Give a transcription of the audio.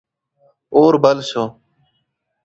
اور بل سو.